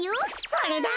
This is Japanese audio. それだ！